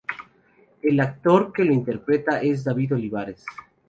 El actor que lo interpreta es David Olivares.